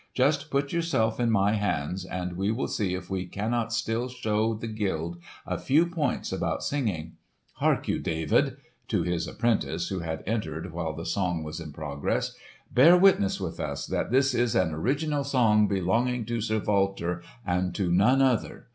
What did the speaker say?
Just put yourself in my hands and we will see if we cannot still show the guild a few points about singing. Hark you, David!" (to his apprentice who had entered while the song was in progress) "bear witness with us that this is an original song belonging to Sir Walter and to none other.